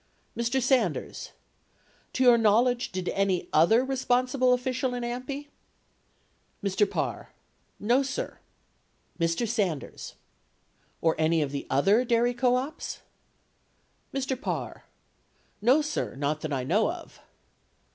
Mr. Sanders. To your knowledge, did any other responsible official in AMPI ? Mr. Parr. No, sir. Mr. Sanders. Or any of the other dairy co ops? Mr. Parr. No, sir, not that I know of.